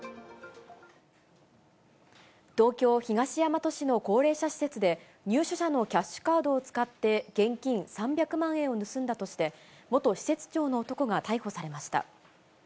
東京・東大和市の高齢者施設で、入所者のキャッシュカードを使って現金３００万円を盗んだとして、元施設長の男が逮捕されました。